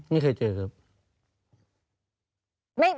ไม่เคยเจอครับ